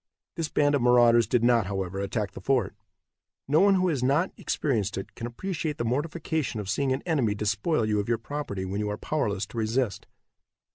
This band of marauders did not, however, attack the fort. No one who has not experienced it can appreciate the mortification of seeing an enemy despoil you of your property when you are powerless to resist.